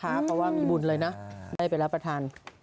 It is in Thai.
เพราะว่ามีบุญเลยนะได้ไปรับประทาน